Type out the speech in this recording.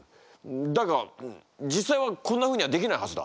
だが実際はこんなふうにはできないはずだ。